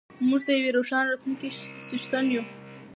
موږ د یوې روښانه راتلونکې څښتن یو.